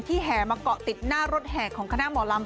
แห่มาเกาะติดหน้ารถแห่ของคณะหมอลำ